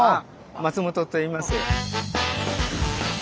松本といいます。